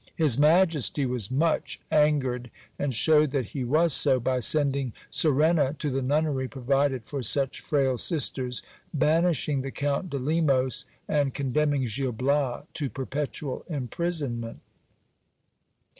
His majesty was much angered, and shewed that he was so, by sending Sirena to the nunnery provided for such frail sisters, banishing the Count de Lemos, and condemning Gil Bias to perpetual imprisonment.